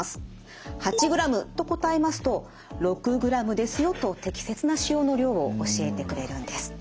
「８ｇ」と答えますと「６ｇですよ」と適切な塩の量を教えてくれるんです。